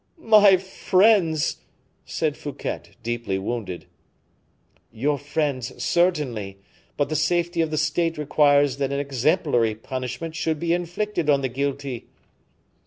"My friends!" said Fouquet, deeply wounded. "Your friends, certainly; but the safety of the state requires that an exemplary punishment should be inflicted on the guilty."